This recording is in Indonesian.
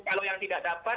kalau yang tidak dapat